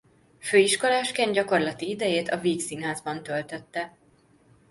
Főiskolásként gyakorlati idejét a Vígszínházban töltötte.